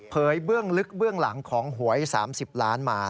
เบื้องลึกเบื้องหลังของหวย๓๐ล้านมา